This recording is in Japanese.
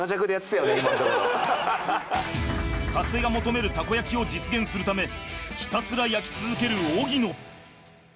佐瀬が求めるたこ焼きを実現するためひたすら焼き続ける荻野。